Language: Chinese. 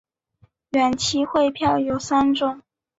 远期汇票有三种。